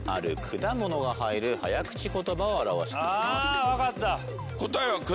あ分かった！